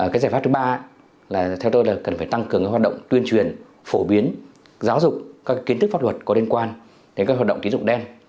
cái giải pháp thứ ba là theo tôi là cần phải tăng cường hoạt động tuyên truyền phổ biến giáo dục các kiến thức pháp luật có liên quan đến các hoạt động tín dụng đen